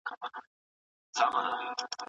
د روم امپراطورۍ ډېر واک درلود.